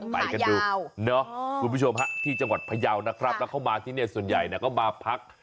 ไปกันดูเนาะคุณผู้ชมฮะที่จังหวัดพยาวนะครับแล้วเข้ามาที่นี่ส่วนใหญ่ก็มาพัก